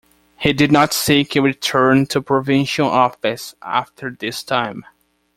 He did not seek a return to provincial office after this time.